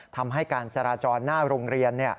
ทำให้การจราจรหน้าโรงเรียน